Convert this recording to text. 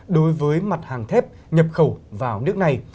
đối với mặt hàng thép nhập khẩu vào nước này